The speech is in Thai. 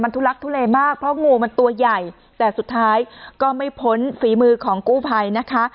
ทุลักทุเลมากเพราะงูมันตัวใหญ่แต่สุดท้ายก็ไม่พ้นฝีมือของกู้ภัยนะคะ